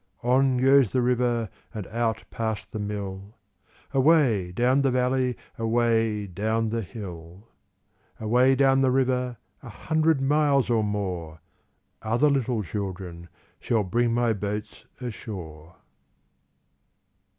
On goes the river And out past the mill, Away down the valley, Away down the hill. Away down the river, A hundred miles or more, Other little children Shall bring my boats ashore.